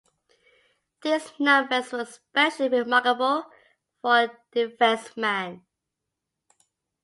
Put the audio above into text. These numbers were especially remarkable for a defenseman.